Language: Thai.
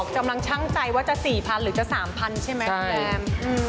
กำลังช่างใจว่าจะ๔๐๐๐หรือจะ๓๐๐ใช่ไหมคุณแอม